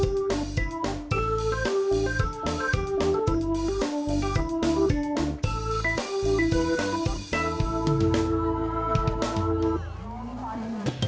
โปรดติดตามตอนต่อไป